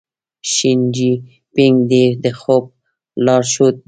شي جین پینګ د دې خوب لارښود دی.